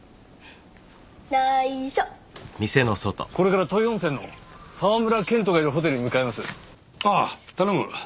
ないしょこれから土肥温泉の沢村健人がいるホテルに向かいますああ頼む